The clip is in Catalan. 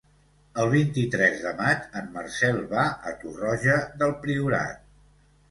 El vint-i-tres de maig en Marcel va a Torroja del Priorat.